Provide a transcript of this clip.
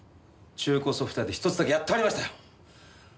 中古ソフト屋で１つだけやっとありましたよ。